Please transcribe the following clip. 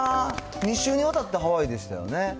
２週にわたってハワイでしたよね。